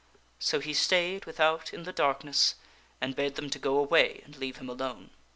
So he stayed without in the darkness and bade them to go away and leave him alone.